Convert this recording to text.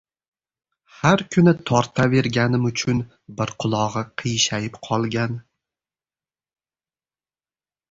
Har kuni tortaverganim uchun bir qulog‘i qiyshayib qolgan.